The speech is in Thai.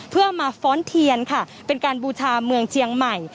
เพื่อมาฟ้อนเทียนค่ะเป็นการบูชาเมืองเจียงใหม่